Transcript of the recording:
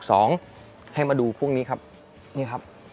สงสัย